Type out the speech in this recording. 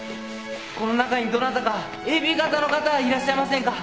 この中にどなたかＡＢ型の方いらっしゃいませんか？